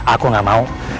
aku gak mau